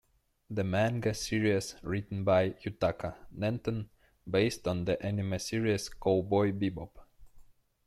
The manga series written by Yutaka Nanten based on the anime series "Cowboy Bebop".